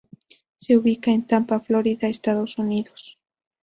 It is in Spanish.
Se ubica en Tampa, Florida, Estados Unidos.